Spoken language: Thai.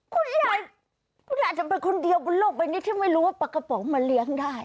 คุณยายคุณยายจะเป็นคนเดียวบนโลกใบนี้ที่ไม่รู้ว่าปลากระป๋องมาเลี้ยงได้